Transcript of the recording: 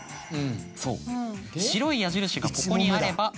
そう白い矢印がここにあれば。